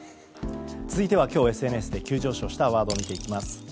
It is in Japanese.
続いては今日ＳＮＳで急上昇したワード見ていきます。